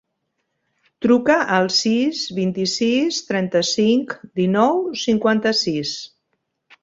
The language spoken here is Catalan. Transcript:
Truca al sis, vint-i-sis, trenta-cinc, dinou, cinquanta-sis.